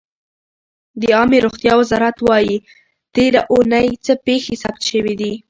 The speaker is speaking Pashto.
د عامې روغتیا وزارت وایي تېره اوونۍ څه پېښې ثبت شوې دي.